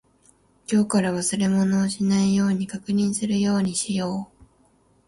今日から忘れ物をしないように確認するようにしよう。